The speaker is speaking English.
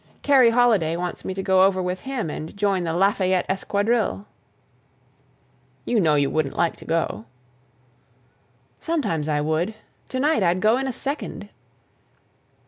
Kerry Holiday wants me to go over with him and join the Lafayette Esquadrille." "You know you wouldn't like to go." "Sometimes I would—to night I'd go in a second."